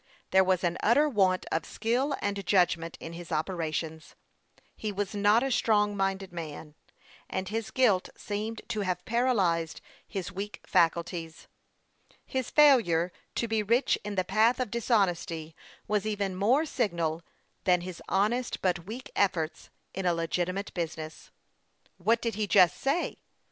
There was an utter want of skill and judgment in his operations. He was not a strong minded man, and his guilt seemed to have paralyzed his weak faculties. His failure to be rich in the path of dishonesty was even more signal than his honest but weak efforts in a legitimate business. " What did he just say ?"